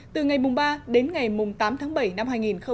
từ ngày ba đến ngày tám tháng bảy năm hai nghìn một mươi bảy